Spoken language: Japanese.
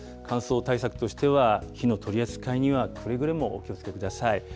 乾燥対策としては、火の取り扱いにはくれぐれもお気をつけください。